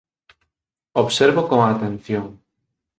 Observo con atención.